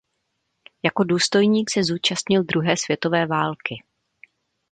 Jako důstojník se zúčastnil druhé světové války.